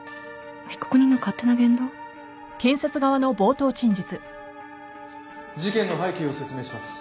被告人の勝手な言動？事件の背景を説明します。